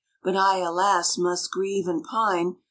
But I, alas, must grieve and pine.